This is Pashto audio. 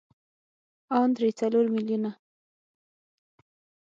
ان درې څلور ميليونه.